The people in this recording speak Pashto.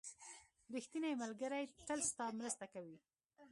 • ریښتینی ملګری تل ستا مرسته کوي.